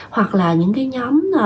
hoặc là những cái nhóm